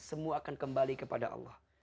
semua akan kembali kepada allah